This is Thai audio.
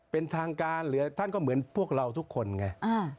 เป็นทางการหรือท่านก็เหมือนพวกเราทุกคนไง